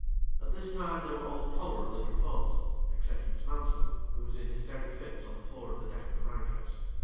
At this time they were all tolerably composed, except Miss Mansel, who was in hysteric fits on the floor of the deck of the round house.